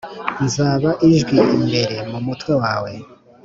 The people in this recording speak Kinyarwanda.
nzaba ijwi imbere mu mutwe wawe,